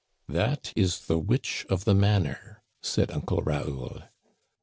That is the witch of the manor," said Uncle Raoul.